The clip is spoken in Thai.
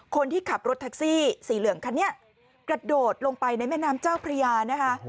คนที่ขับรถแท็กซี่สีเหลืองคันนี้กระโดดลงไปในแม่น้ำเจ้าพระยานะคะ